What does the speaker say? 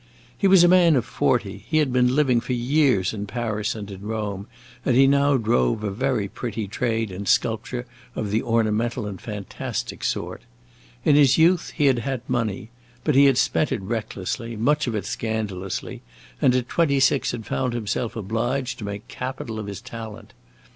He was a man of forty, he had been living for years in Paris and in Rome, and he now drove a very pretty trade in sculpture of the ornamental and fantastic sort. In his youth he had had money; but he had spent it recklessly, much of it scandalously, and at twenty six had found himself obliged to make capital of his talent.